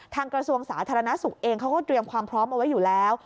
ทางกระทรวงศาสตร์ธรรณสุทธิ์เองเค้าก็เตรียมความพร้อมเอาไว้อยู่แล้ว